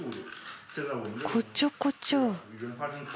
こちょこちょ。